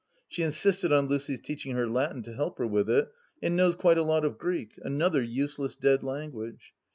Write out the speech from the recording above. She insisted on Lucy's teaching her Latin to help her with it, and knows quite a lot of Greek — another useless dead language